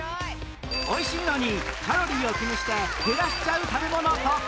美味しいのにカロリーを気にして減らしちゃう食べ物トップ９